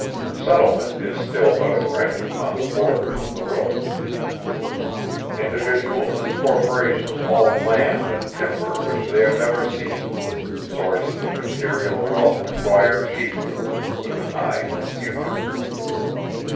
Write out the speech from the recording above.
Settlement is still but a fringe upon the borders of the wilderness. Individuals and corporations own land and timber which they have never seen, sources of material wealth acquired cheaply, with an eye to the future.